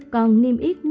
còn niêm yếp